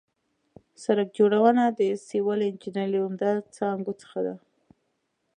سړک جوړونه د سیول انجنیري له عمده څانګو څخه ده